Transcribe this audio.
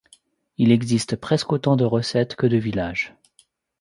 Il existe presque autant de recettes que de villages.